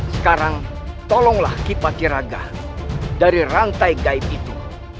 sekarang tolonglah kipati raga dari rantai gaib itu